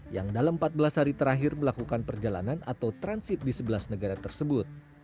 yang dalam empat belas hari terakhir melakukan perjalanan atau transit di sebelas negara tersebut